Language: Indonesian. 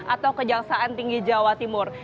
atau kejaksaan tinggi jawa timur